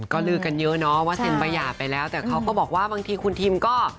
ก็ลือกันเยอะเนาะว่าเซ็นใบหย่าไปแล้วแต่เขาก็บอกว่าบางทีคุณทิมก็